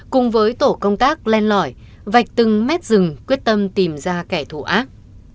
cùng với tổ công tác len lỏi vạch từng mét rừng quyết tâm tìm ra kẻ thù ác